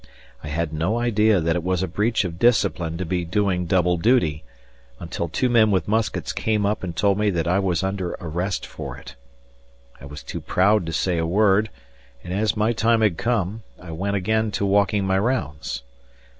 I had no idea, that it was a breach of discipline to be doing double duty, until two men with muskets came up and told me that I was under arrest for it. I was too proud to say a word and, as my time had come, I went again to walking my rounds.